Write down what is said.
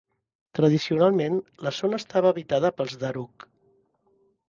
Tradicionalment, la zona estava habitada pels Dharug.